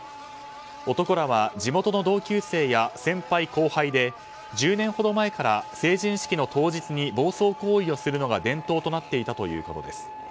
男らは、地元の同級生や先輩・後輩で１０年ほど前から成人式の当日に暴走行為をするのが伝統となっていたということです。